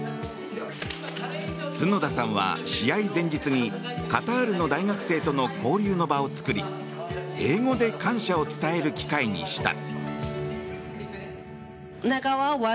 角田さんは試合前日にカタールの大学生との交流の場を作り英語で感謝を伝える機会にした。